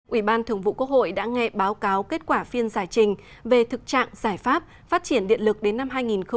ủy ban thường vụ quốc hội đã nghe báo cáo kết quả phiên giải trình về thực trạng giải pháp phát triển điện lực đến năm hai nghìn hai mươi